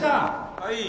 はい！